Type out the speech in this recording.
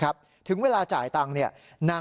ค้าเป็นผู้ชายชาวเมียนมา